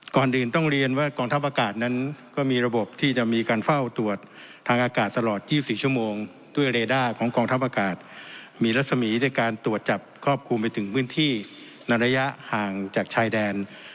ก่อนอื่นต้องเรียนว่ากองทัพอากาศนั้นก็มีระบบที่จะมีการเฝ้าตรวจทางอากาศตลอด๒๔ชั่วโมงด้วยเรด้าของกองทัพอากาศมีรัศมีในการตรวจจับครอบคลุมไปถึงพื้นที่ในระยะห่างจากชายแดน